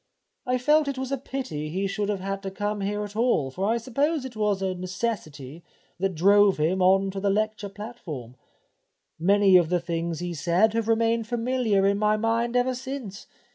I felt it was a pity he should have had to come here at all, for I suppose it was necessity that drove him on to the lecture platform. Many of the things he said have remained familiar in my mind ever since.